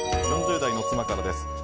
４０代の妻からです。